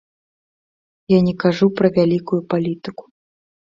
Я не кажу пра вялікую палітыку.